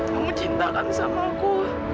kamu cintakan sama aku